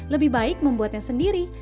lebih baik membuatnya sendiri